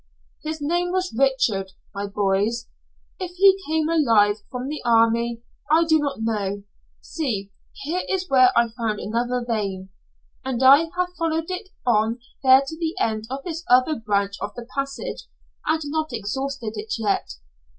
"His name was Richard my boy's. If he came alive from the army I do not know, See? Here is where I found another vein, and I have followed it on there to the end of this other branch of the passage, and not exhausted it yet.